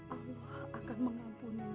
allah akan mengampuni dia